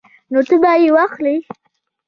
نو ته به یې واخلې